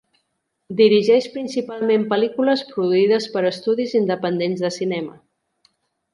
Dirigeix principalment pel·lícules produïdes per estudis independents de cinema.